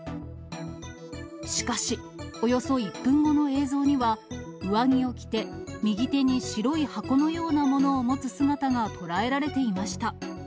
しかし、およそ１分後の映像には、上着を着て、右手に白い箱のようなものを持つ姿が捉えられていました。